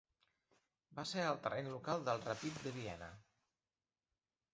Va ser el terreny local del Rapid de Viena.